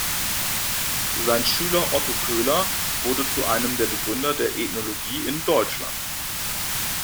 Sein Schüler Otto Koehler wurde zu einem der Begründer der Ethologie in Deutschland.